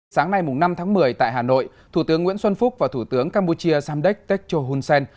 sáng nay năm tháng một mươi tại hà nội thủ tướng nguyễn xuân phúc và thủ tướng campuchia samdech techo hun sen